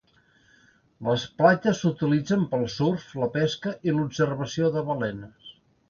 Les platges s'utilitzen per al surf, la pesca i l'observació de balenes.